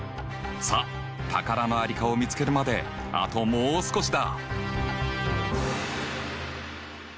さあ宝の在りかを見つけるまであともう少しだ！